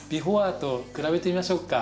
「Ｂｅｆｏｒｅ」と比べてみましょうか。